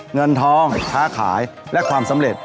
เงินทองค้าขายและความสำเร็จ